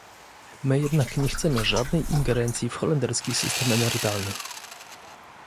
My jednak nie chcemy żadnej ingerencji w holenderski system emerytalny